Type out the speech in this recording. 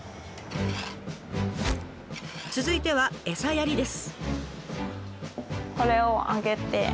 続いては餌やりです。